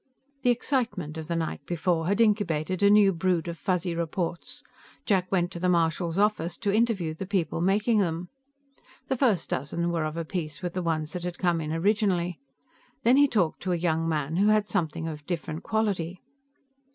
The excitement of the night before had incubated a new brood of Fuzzy reports; Jack went to the marshal's office to interview the people making them. The first dozen were of a piece with the ones that had come in originally. Then he talked to a young man who had something of different quality.